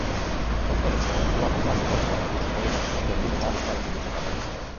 V tomto roce byla oblast po referendu připojena k už tehdy nezávislé republice Kamerun.